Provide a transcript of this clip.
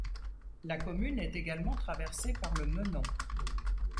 La commune est également traversée par le Menon.